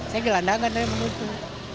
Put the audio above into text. saya di landangan saya menutup